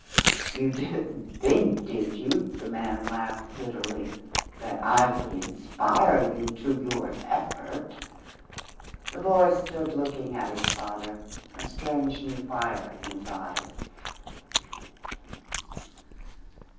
"You didn't think, did you," the man laughed bitterly, "that I would inspire you to your effort?" The boy stood looking at his father, a strange new fire in his eyes.